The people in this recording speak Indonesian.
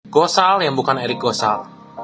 gosal yang bukan erik gosal